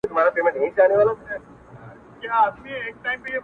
• تر لمسیو به دي جوړه آشیانه وي ,